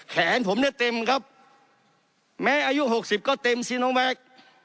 แขนผมเนี่ยเต็มครับแม้อายุหกสิบก็เต็มซีโนแวค